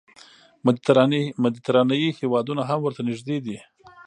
مدیترانې هېوادونه هم ورته نږدې دي.